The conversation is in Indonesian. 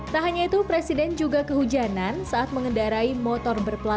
tak hanya itu presiden juga kehujanan saat mengendarai motor berpengalaman